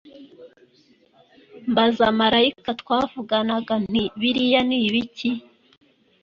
mbaza marayika twavuganaga nti biriya ni ibiki